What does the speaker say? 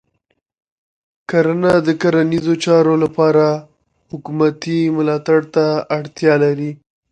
کرنه د کرنیزو چارو لپاره حکومتې ملاتړ ته اړتیا لري.